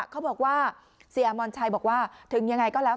เขาบอกว่าเสียอมรชัยบอกว่าถึงยังไงก็แล้ว